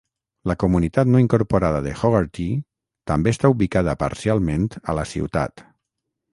La comunitat no incorporada de Hogarty també està ubicada parcialment a la ciutat.